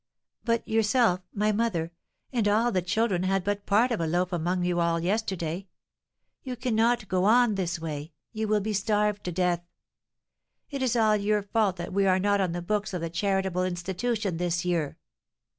"But yourself, my mother, and all the children had but part of a loaf among you all yesterday. You cannot go on in this way; you will be starved to death. It is all your fault that we are not on the books of the charitable institution this year."